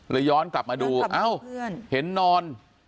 ย้อนกลับมาดูเอ้าเห็นนอน